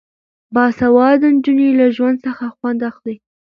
باسواده نجونې له ژوند څخه خوند اخلي.